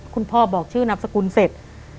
พ่อบอกชื่อนามสกุลเสร็จ